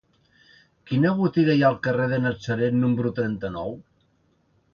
Quina botiga hi ha al carrer de Natzaret número trenta-nou?